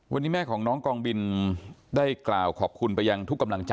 วันนี้แม่ของน้องกองบินได้กล่าวขอบคุณไปยังทุกกำลังใจ